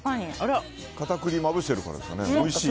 片栗をまぶしてるからですかね。